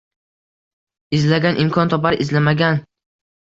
Izlagan imkon topar, izlamagan...ng